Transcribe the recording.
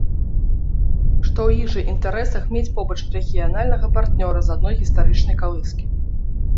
Што ў іх жа інтарэсах мець побач рэгіянальнага партнёра з адной гістарычнай калыскі.